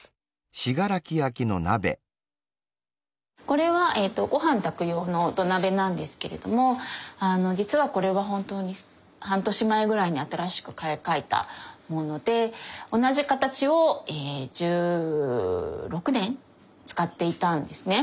これはご飯炊く用の土鍋なんですけれども実はこれは本当に半年前ぐらいに新しく買い替えたもので同じ形を１６年使っていたんですね。